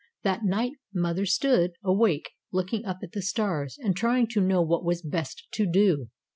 That night mother stood, awake, looking up at the stars and trying to know what was best to do.